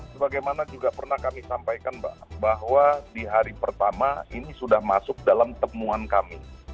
sebagaimana juga pernah kami sampaikan bahwa di hari pertama ini sudah masuk dalam temuan kami